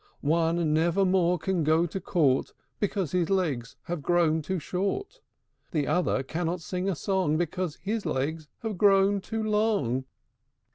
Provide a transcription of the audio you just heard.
One never more can go to court, Because his legs have grown too short; The other cannot sing a song, Because his legs have grown too long!"